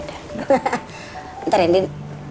bentar ya ndien